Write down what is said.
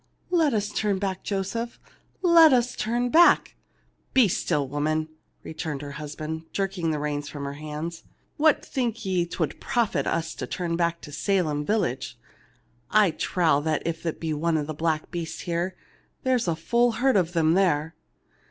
Let us turn back, Joseph, let us turn back !" "Be still, woman !" returned her husband, jerk ing the reins from her hand. " What think ye 'twould profit us to turn back to Salem village ? I trow if there be one black beast here, there is a full herd of them there.